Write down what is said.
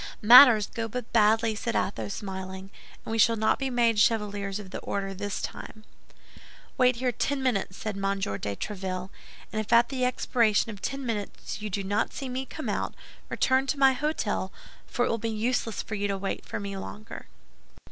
"Matters go but badly," said Athos, smiling; "and we shall not be made Chevaliers of the Order this time." "Wait here ten minutes," said M. de Tréville; "and if at the expiration of ten minutes you do not see me come out, return to my hôtel, for it will be useless for you to wait for me longer."